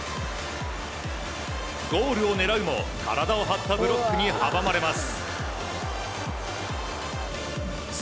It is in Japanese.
ゴールを狙うも体を張ったブロックに阻まれます。